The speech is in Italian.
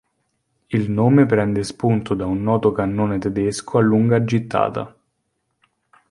Il nome prende spunto da un noto cannone tedesco a lunga gittata.